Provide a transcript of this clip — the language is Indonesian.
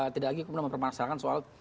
tidak lagi kemudian mempermasalahkan soal